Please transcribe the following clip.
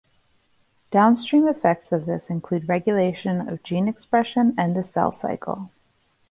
Downstream effects of this include regulation of gene expression and the cell cycle.